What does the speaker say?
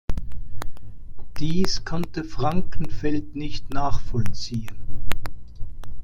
Dies konnte Frankenfeld nicht nachvollziehen.